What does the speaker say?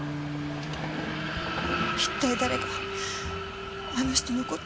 一体誰があの人の事。